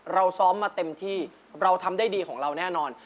เราซ้อมมาเต็มที่เราทำได้ดีของเราแน่นอน